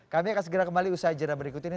kami akan segera kembali usai jalan berikut ini